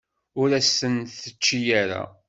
Ur as-ten-tečči ara.